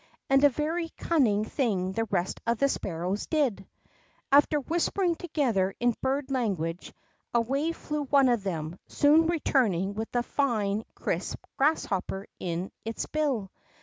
And a very cunning thing the rest of the sparrows did ! After whispering together in bird language, away flew' one of them, soon returning with a flne, crisp grasshopper in its hill.